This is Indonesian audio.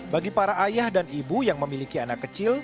bagi para ayah dan ibu yang memiliki anak kecil